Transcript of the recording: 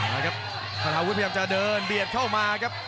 อ่าครับฆาตาวุฒิพยานกันเดินเบียดเข้ามาครับ